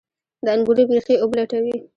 د انګورو ریښې اوبه لټوي.